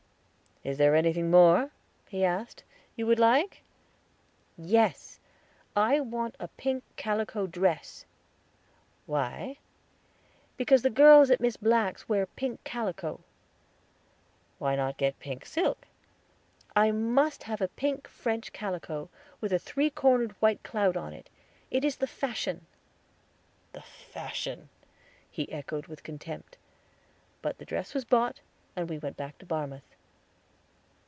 "Is there anything more?" he asked, "you would like?" "Yes, I want a pink calico dress." "Why?" "Because the girls at Miss Black's wear pink calico." "Why not get a pink silk?" "I must have a pink French calico, with a three cornered white cloud on it; it is the fashion." "The fashion!" he echoed with contempt. But the dress was bought, and we went back to Barmouth.